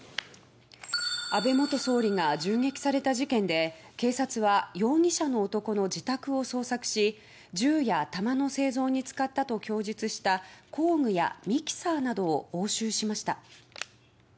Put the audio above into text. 安倍元総理が銃撃された事件で警察は容疑者の男の自宅を捜索し銃や弾の製造に使ったと供述した工具やミキサーなどを押収しました。